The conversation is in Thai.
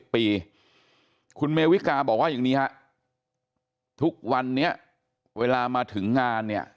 คุณเมวิกาบอกว่าอย่างนี้ฮะทุกวันนี้เวลามาถึงงานเนี่ย